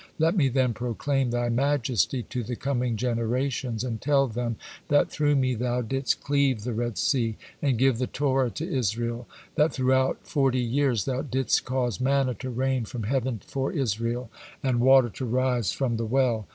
Let me then proclaim Thy majesty to the coming generations, and tell them that through me Thou didst cleave the Red Sea, and give the Torah to Israel, that throughout forty years Thou didst cause manna to rain from heaven for Israel, and water to rise from the well."